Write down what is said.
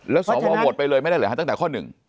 แล้วสอบวอร์โหวตไปเลยไม่ได้เหรอฮะตั้งแต่ข้อหนึ่ง